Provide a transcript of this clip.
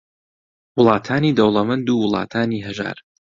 وڵاتانی دەوڵەمەند و وڵاتانی ھەژار